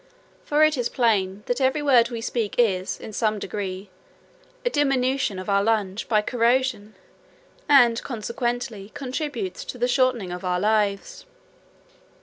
For it is plain, that every word we speak is, in some degree, a diminution of our lungs by corrosion, and, consequently, contributes to the shortening of our lives.